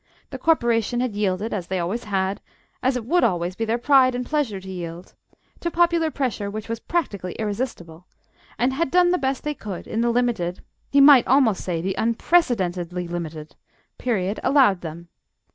The Corporation had yielded (as they always did, as it would always be their pride and pleasure to yield) to popular pressure which was practically irresistible, and had done the best they could in the limited he might almost say the unprecedentedly limited period allowed them.